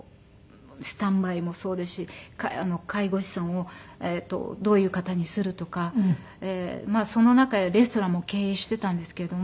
スタンバイもそうですし介護士さんをどういう方にするとかまあその中でレストランも経営していたんですけれども。